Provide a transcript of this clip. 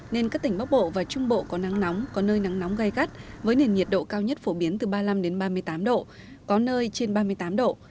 nên các tỉnh bắc bộ và trung bộ có nắng nóng có nơi nắng nóng gai gắt với nền nhiệt độ cao nhất phổ biến từ ba mươi năm ba mươi tám độ có nơi trên ba mươi tám độ